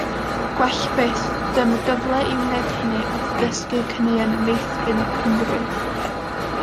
Gwell fyth, dyma gyfle i wneud hynny wrth ddysgu caneuon meithrin Cymru.